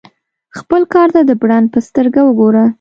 خپل کار ته د برانډ په سترګه وګوره.